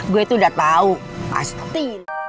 gue tuh udah tau pasti